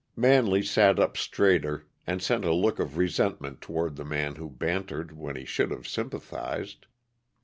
Manley sat up straighter and sent a look of resentment toward the man who bantered when he should have sympathized.